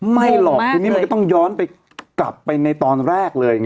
ไม่หรอกทีนี้มันก็ต้องย้อนไปกลับไปในตอนแรกเลย